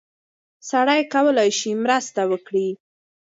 سړی کولی شي مرسته وکړي.